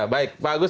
baik pak agus